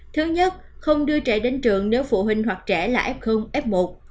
thứ nhất không đưa trẻ đến trường nếu phụ huynh hoặc trẻ là ép không ép một